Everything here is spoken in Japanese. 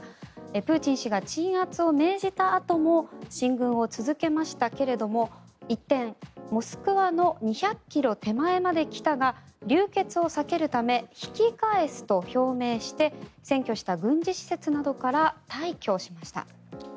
プーチン氏が鎮圧を命じたあとも進軍を続けましたけれども一転、モスクワの２００ｋｍ手前まで来たが流血を避けるため引き返すと表明して占拠した軍事施設などから退去しました。